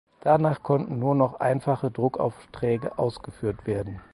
Danach konnten nur noch einfache Druckaufträge ausgeführt werden.